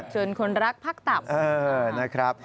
ชวนคนรักพักตับ